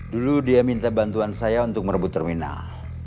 dulu dia minta bantuan saya untuk merebut terminal